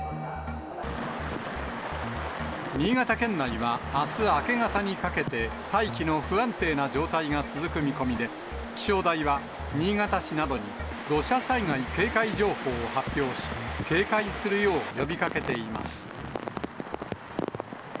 新潟県内はあす明け方にかけて、大気の不安定な状態が続く見込みで、気象台は、新潟市などに土砂災害警戒情報を発表し、警戒するよう呼びかけています。